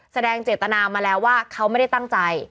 แสดงเจตนามาแล้วว่าเขาไม่ได้ตั้งใจ